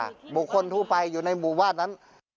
คนธรรมดาบุคคลทั่วไปอยู่ในบุวาดนั้น